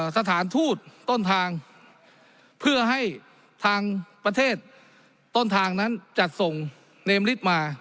สถานทูตต้นทางเพื่อให้ทางประเทศต้นทางนั้นจัดส่งเนมฤทธิ์มา